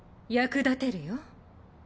役立てるよ。